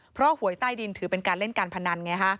เพราะหวยใต้ดินถือเป็นการเล่นการพนันไงฮะ